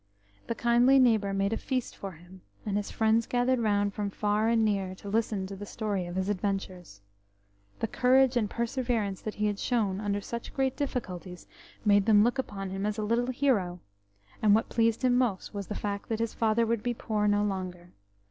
The kindly neighbour made a feast for him, and his friends gathered round from far and near to listen to the story of his adventures. The courage and perseverance that he had shown under such great difficulties made them look upon him as a little hero, but what pleased him most was the fact that his father would be poor no longer.